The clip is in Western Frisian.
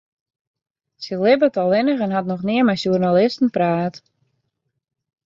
Sy libbet allinnich en hat noch nea mei sjoernalisten praat.